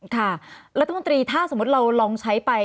ค่ะรัฐมนตรีถ้าสมมุติเราลองใช้ไป